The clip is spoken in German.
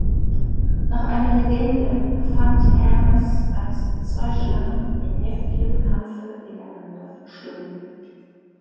Nach einer Legende fand Hermes einst zwei Schlangen in heftigem Kampfe ineinander verschlungen.